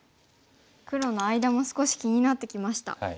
黒の間も少し気になってきました。